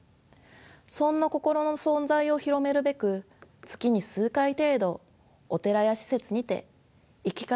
そんな心の存在を広めるべく月に数回程度お寺や施設にて「生き方」